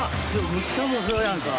むっちゃ重そうやんか。